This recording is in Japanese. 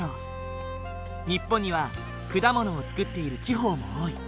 日本には果物を作っている地方も多い。